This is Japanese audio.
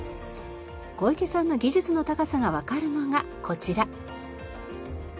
小池さんの技術の高さがわかるのがこちら。